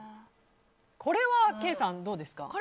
これはケイさん、どうですか？